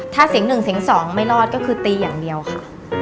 ถ้าเสียง๑เสียง๒ไม่รอดก็คือตีอย่างเดียวค่ะ